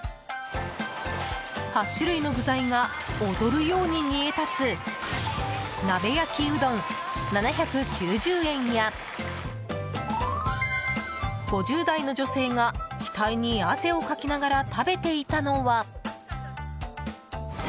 ８種類の具材が踊るように煮え立つ鍋焼きうどん、７９０円や５０代の女性が額に汗をかきながら食べていたのは。